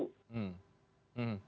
dan sanksinya pun sebetulnya riak